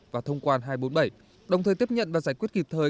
và thông quan hai trăm bốn mươi bảy đồng thời tiếp nhận và giải quyết kịp thời